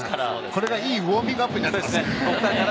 これがいいウオーミングアップになっています。